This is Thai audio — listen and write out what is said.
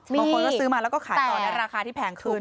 บางคนก็ซื้อมาแล้วก็ขายต่อในราคาที่แพงขึ้น